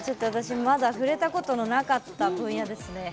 まだ触れたことのなかった分野ですね。